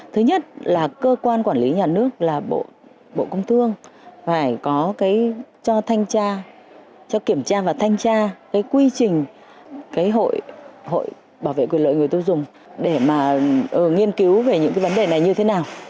thứ nhất là cơ quan quản lý nhà nước là bộ công thương phải có cái cho thanh tra cho kiểm tra và thanh tra cái quy trình cái hội hội bảo vệ quyền lợi người tiêu dùng để mà nghiên cứu về những cái vấn đề này như thế nào